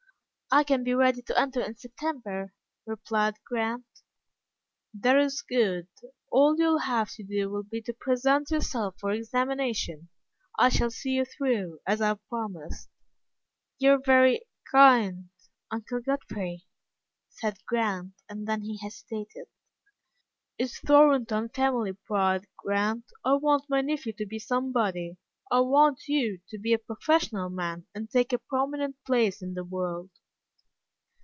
"I can be ready to enter in September," replied Grant. "That is good. All you will have to do will be to present yourself for examination. I shall see you through, as I have promised." "You are very kind, Uncle Godfrey," said Grant; and then he hesitated. "It's Thornton family pride, Grant. I want my nephew to be somebody. I want you to be a professional man, and take a prominent place in the world."